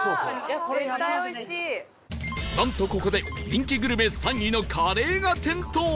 なんとここで人気グルメ３位のカレーが点灯